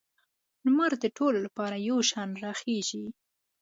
لمر د ټولو لپاره یو شان راخیږي.